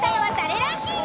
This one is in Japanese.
ランキング。